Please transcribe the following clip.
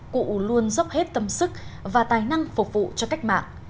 cụ luôn dốc hết tâm sức và tài năng phục vụ cho cách mạng